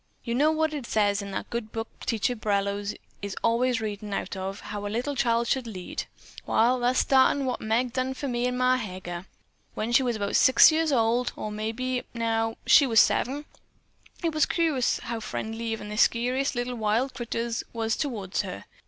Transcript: "You know what it says in that good book Preacher Bellows is allays readin' out of, how a little child shall lead. Wall, that's sartin what Meg's done for me and Ma Heger. When she was about six year old, or maybe, now, she was seven, it was curious how friendly even the skeeriest little wild critters was toward her.